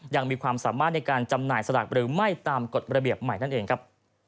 ยังมีความสามารถในการจำหน่ายสลากหรือไม่ตามกฎระเบียบใหม่นั่นเองครับ